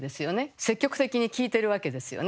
積極的に聞いてるわけですよね